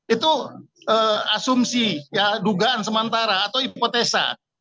itu asumsi ya dugaan sementara atau hipotesa